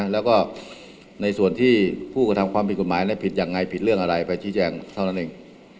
แล้วก็ในส่วนที่ผู้กระทำความผิดกฎหมายผิดยังไงผิดเรื่องอะไรไปชี้แจงเท่านั้นเอง